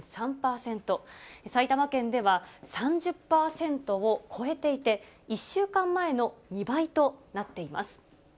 埼玉県では３０％を超えていて、１週間前の２倍となっています。